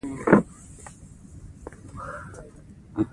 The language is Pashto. کابل ته ولاړم.